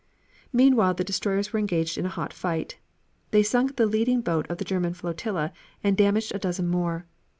Meanwhile the destroyers were engaged in a hot fight. They sunk the leading boat of the German flotilla and damaged a dozen more.